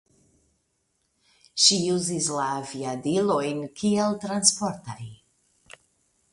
Ĝi uzis la aviadilojn kiel transportaj.